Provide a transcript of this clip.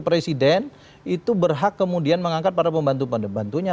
presiden itu berhak kemudian mengangkat para pembantu pembantunya